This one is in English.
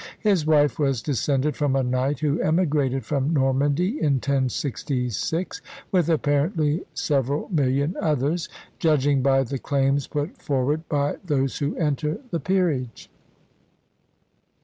His wife was descended from a knight who emigrated from Normandy in 1066, with apparently several million others, judging by the claims put forward by those who enter the peerage.